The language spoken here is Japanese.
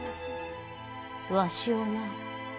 わしをな！